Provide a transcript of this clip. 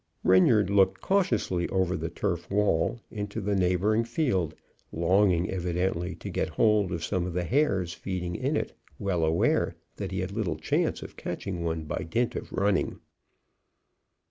Reynard looked cautiously over the turf wall into the neighbouring field, longing evidently to get hold of some of the hares feeding in it, well aware that he had little chance of catching one by dint of running.